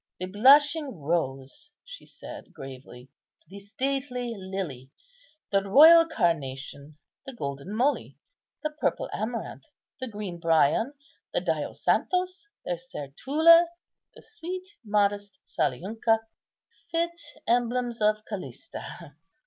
"The blushing rose," she said, gravely, "the stately lily, the royal carnation, the golden moly, the purple amaranth, the green bryon, the diosanthos, the sertula, the sweet modest saliunca, fit emblems of Callista.